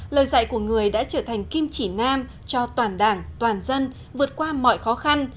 lời dạy của người đã trở thành kim chỉ nam cho toàn đảng toàn dân vượt qua mọi khó khăn